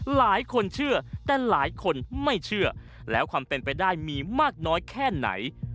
หลายคนเชื่อแต่หลายคนไม่เชื่อแล้วความเป็นไปได้มีมากน้อยแค่ไหน